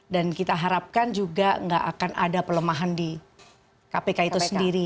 kita harapkan juga nggak akan ada pelemahan di kpk itu sendiri